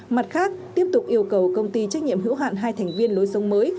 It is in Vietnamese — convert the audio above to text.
mặt khác tiếp tục yêu cầu công ty trách nhiệm hữu hạn hai thành viên lối sống mới